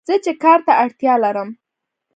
زه چې کار ته اړتیا لرم